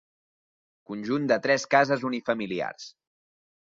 Conjunt de tres cases unifamiliars.